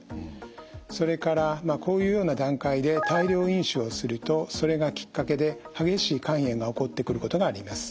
それからこういうような段階で大量飲酒をするとそれがきっかけで激しい肝炎が起こってくることがあります。